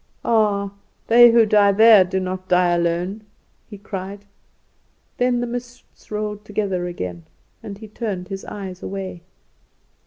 "'Ah! They who die there do not die alone,' he cried. "Then the mists rolled together again; and he turned his eyes away.